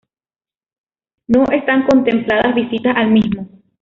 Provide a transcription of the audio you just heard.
No están contempladas visitas al mismo.